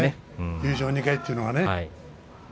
優勝２回というのがね。